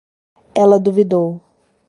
Ela duvidou